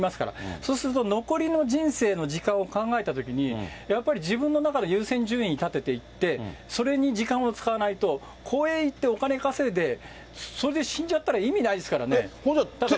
そうすると、残りの人生の時間を考えたときに、やっぱり自分の中で優先順位立てていって、それに時間を使わないと、講演行って、お金稼いで、それで死んじゃったら意味ないですからね。